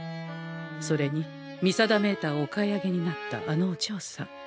それに見定メーターをお買い上げになったあのおじょうさん。